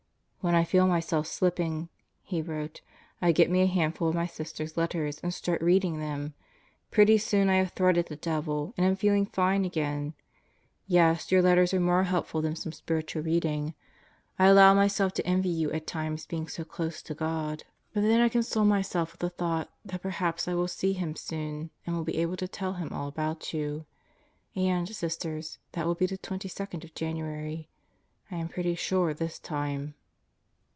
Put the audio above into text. "When I feel myself slipping," he wrote, "I get me a handful of my sisters' letters and start reading them. Pretty soon I have thwarted the devil and am feeling fine again. Yes, your letters are more helpful than some spiritual reading. ... I allow myself to envy you at times being so close to God. 158 God Goes to Murderer's Row But then I console myself with the thought that perhaps I will see Him soon and will be able to tell Him all about you. And, Sisters, that will be the 22nd of January. I am pretty sure this time."